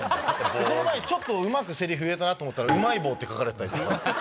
この前ちょっとうまくセリフ言えたなと思ったら「うまい棒」って書かれてたりとか。